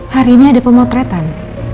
hari ini ada pemotretan